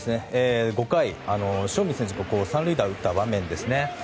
５回、塩見選手が三塁打を打った場面ですね。